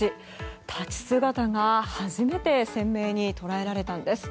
立ち姿が、初めて鮮明に捉えられたんです。